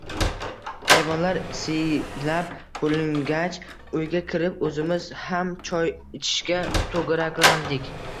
Hayvonlar siylab bo‘lingach, uyga kirib, o‘zimiz ham choy ichishga to‘garaklandik